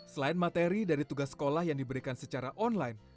selain materi dari tugas sekolah yang diberikan secara online